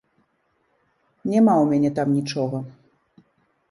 Няма ў мяне там нічога.